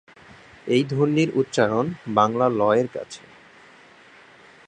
এই ধ্বনির উচ্চারণ বাংলা "ল"-এর কাছে।